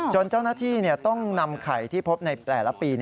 เจ้าหน้าที่ต้องนำไข่ที่พบในแต่ละปี